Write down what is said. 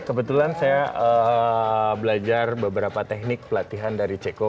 kebetulan saya belajar beberapa teknik pelatihan dari ceko